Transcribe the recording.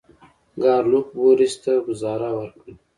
ګارلوک بوریس ته ګوزاره ورکړه.